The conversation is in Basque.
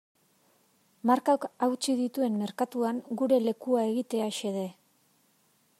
Markak hautsi dituen merkatuan gure lekua egitea xede.